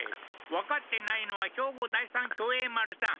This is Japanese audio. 分かってないのは兵庫第三協栄丸さん